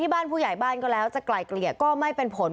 บ้านผู้ใหญ่บ้านก็แล้วจะไกลเกลี่ยก็ไม่เป็นผล